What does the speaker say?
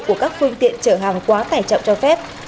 của các phương tiện chở hàng quá tài trọng cho phép